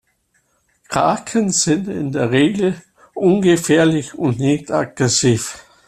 Kraken sind in der Regel ungefährlich und nicht aggressiv.